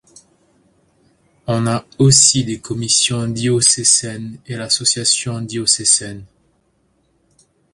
On a aussi des commissions diocésaines et l'association diocésaine.